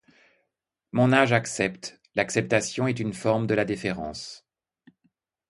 Mon âge accepte; l'acceptation est une forme de la déférence.